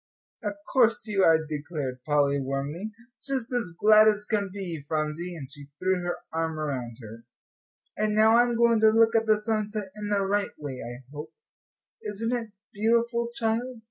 "Of course you are," declared Polly, warmly, "just as glad as can be, Phronsie," and she threw her arm around her. "And now I'm going to look at the sunset in the right way, I hope. Isn't it beautiful, child?"